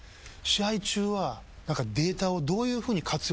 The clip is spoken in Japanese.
試合中はデータをどういうふうに活用されてるのか。